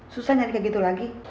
susah nyari kayak gitu lagi